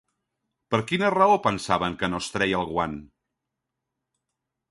Per quina raó pensaven que no es treia el guant?